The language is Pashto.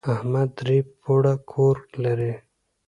احمد درې پوړه کور لري.